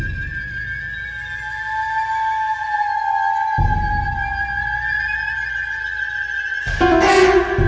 hhh lu kenapa